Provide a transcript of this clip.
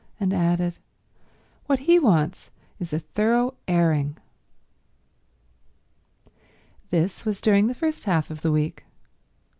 And added, "What he wants is a thorough airing." This was during the first half of the week.